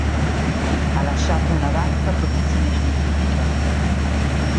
Ha lasciato una vasta produzione scientifica.